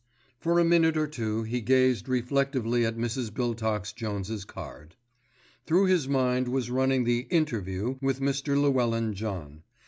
For a minute or two he gazed reflectively at Mrs. Biltox Jones's card. Through his mind was running the "interview" with Mr. Llewellyn John.